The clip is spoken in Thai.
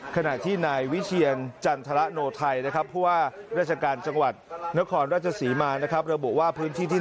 ขณะที่นายวิเชียร์จันทรโนะไท